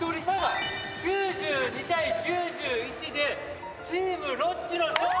９２対９１でチームロッチの勝利！